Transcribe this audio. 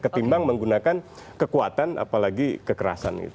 ketimbang menggunakan kekuatan apalagi kekerasan gitu